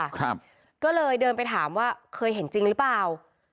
ครับก็เลยเดินไปถามว่าเคยเห็นจริงหรือเปล่า